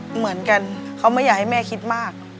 เหมือนกันเขาไม่อยากให้แม่คิดมาก